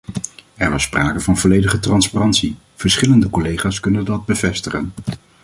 Er was sprake van volledige transparantie; verschillende collega's kunnen dat bevestigen.